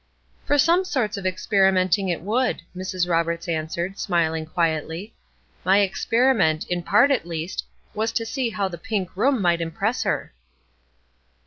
"For some sorts of experimenting it would," Mrs. Roberts answered, smiling quietly; "my experiment, in part at least, was to see how the pink room might impress her."